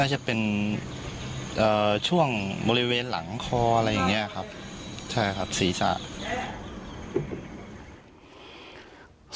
จะเป็นช่วงบริเวณหลังคออะไรอย่างเงี้ยครับใช่ครับศีรษะ